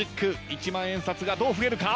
一万円札がどう増えるか？